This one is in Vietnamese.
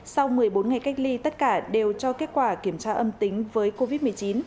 sau một mươi bốn ngày cách ly tất cả đều cho kết quả kiểm tra âm tính với covid một mươi chín